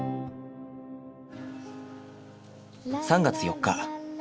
３月４日。